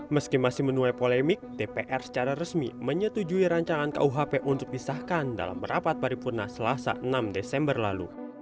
meski masih menuai polemik dpr secara resmi menyetujui rancangan kuhp untuk disahkan dalam merapat paripurna selasa enam desember lalu